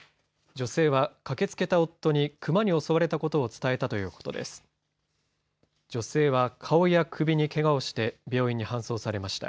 女性は顔や首にけがをして病院に搬送されました。